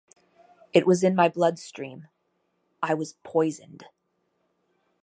It was in my bloodstream; I was poisoned.